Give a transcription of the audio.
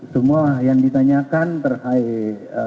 semua yang ditanyakan terakhir